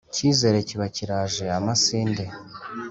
cyizere kiba kiraje amasinde !